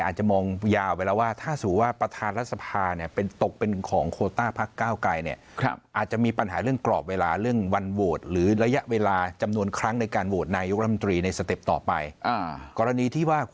อาจจะมองยาวไปแล้วว่าถ้าสมมุติว่า